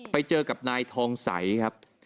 ไปเจอกับนายทองใสครับ